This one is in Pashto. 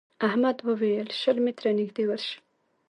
احمد وويل: شل متره نږدې ورشه.